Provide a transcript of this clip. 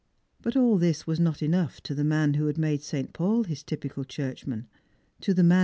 But all this was not enough to the man wl^^ had made St. Paul his tyjiical churchman — to the mai.